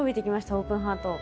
オープンハート。